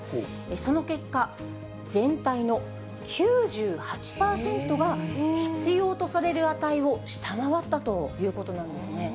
その結果、全体の９８％が必要とされる値を下回ったということなんですね。